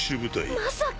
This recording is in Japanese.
まさか！